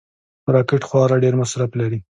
راکټ خورا ډېر مصرف لري